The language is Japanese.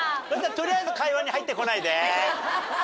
とりあえず会話に入ってこないで。